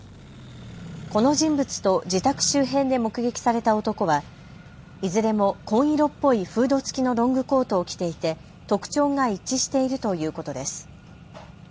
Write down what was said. この人物と自宅周辺で目撃された男はいずれも紺色っぽいフード付きのロングコートを着ていて特徴が一致しているということです。